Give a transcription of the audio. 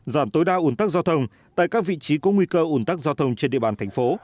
giảm tối đa ủn tắc giao thông tại các vị trí có nguy cơ ủn tắc giao thông trên địa bàn thành phố